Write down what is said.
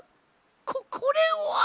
ここれは！